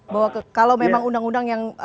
bahwa kalau memang undang undang yang